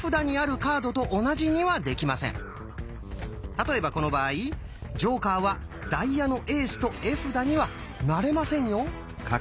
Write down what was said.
例えばこの場合「ジョーカー」は「ダイヤのエース」と絵札にはなれませんよ。